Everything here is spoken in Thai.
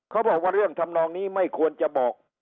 เขาบอกว่าเรื่องทำนองนี้ไม่ควรจะบอก